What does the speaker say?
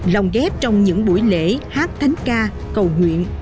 lòng ghép trong những buổi lễ hát thanh ca cầu nguyện